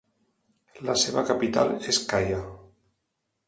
La seva capital és Kaya.